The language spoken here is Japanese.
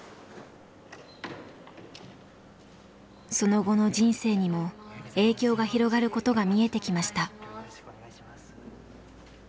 その後の人生にも影響が広がることが見えてきました。